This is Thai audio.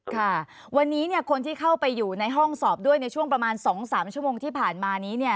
ค่ะวันนี้คนที่เข้าไปอยู่ในห้องสอบด้วยในช่วงประมาณ๒๓ชั่วโมงที่ผ่านมานี้เนี่ย